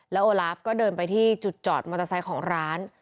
โอลาฟก็เดินไปที่จุดจอดมอเตอร์ไซค์ของร้าน